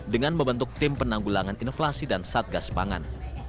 dengan membentuk tim penanggulangan inflasi dan satgas pangan